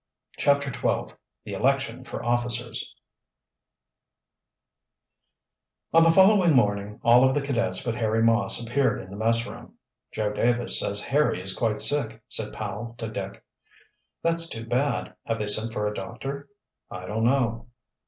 CHAPTER XII THE ELECTION FOR OFFICERS On the following morning all of the cadets but Harry Moss appeared in the messroom. "Joe Davis says Harry is quite sick," said Powell to Dick. "That's too bad. Have they sent for a doctor?" "I don't know."